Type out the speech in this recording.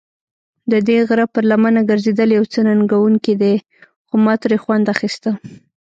ددې غره پر لمنه ګرځېدل یو څه ننګوونکی دی، خو ما ترې خوند اخیسته.